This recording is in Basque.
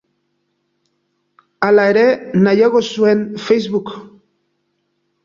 Hala ere, nahiago zuen Facebook.